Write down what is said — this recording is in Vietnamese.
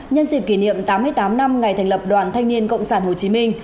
nhân dịp kỷ niệm tám mươi tám năm ngày thành lập đoàn thanh niên cộng sản hồ chí minh